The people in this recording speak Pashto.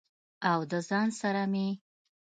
او د ځان سره مې